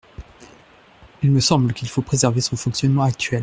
Il me semble qu’il faut préserver son fonctionnement actuel.